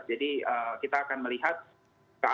jadi kita akan melihat ke arah mana ihsg kedepannya